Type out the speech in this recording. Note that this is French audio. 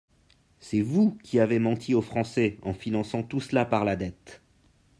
C’est vous qui avez menti aux Français en finançant tout cela par la dette